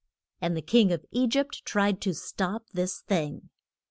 And the king of E gypt tried to stop this thing.